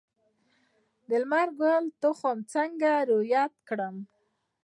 د لمر ګل تخم څنګه وریت کړم؟